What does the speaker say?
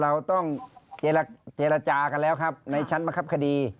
เราต้องเจรจากันแล้วครับในชั้นบังคับคดี